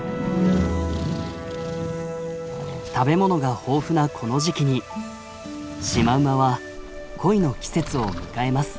食べ物が豊富なこの時期にシマウマは恋の季節を迎えます。